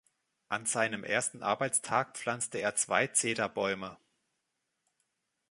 An seinem ersten Arbeitstag pflanzte er zwei Zederbäume.